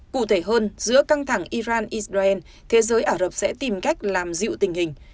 cụ thể hơn giữa căng thẳng iran israel thế giới ả rập sẽ tìm cách làm dịu tình hình